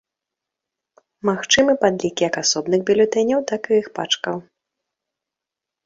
Магчымы падлік як асобных бюлетэняў, так і іх пачкаў.